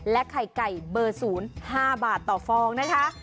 และไข่ไก่เบอร์ศูนย์๕บาทต่อฟองนะคะ